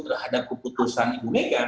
terhadap keputusan ibu mega